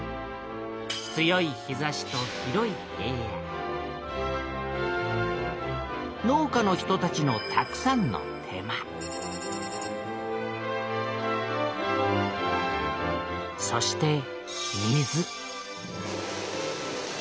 強い日差しと広い平野農家の人たちのたくさんの手間そして水